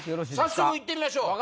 早速いってみましょう。